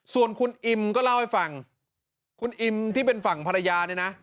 ส่วนคุณอิมก็เล่าให้ฟังคุณอิมที่เป็นฝั่งภรรยาเนี่ยนะ